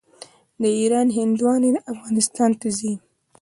د ایران هندواڼې افغانستان ته راځي.